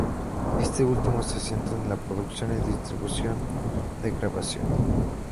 Este último se centra en el producción y distribución de grabación.